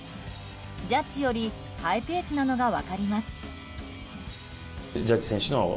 ジャッジより、ハイペースなのが分かります。